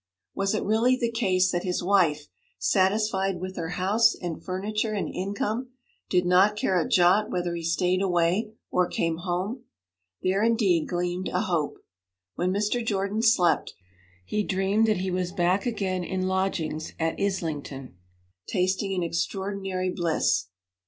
Was it really the case that his wife, satisfied with her house and furniture and income, did not care a jot whether he stayed away or came home? There, indeed, gleamed a hope. When Mr. Jordan slept, he dreamed that he was back again in lodgings at Islington, tasting an extraordinary bliss.